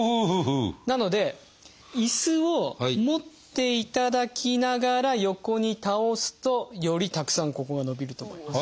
なので椅子を持っていただきながら横に倒すとよりたくさんここが伸びると思います。